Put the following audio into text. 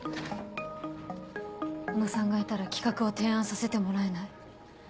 小野さんがいたら企画を提案させてもらえない。